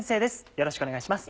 よろしくお願いします。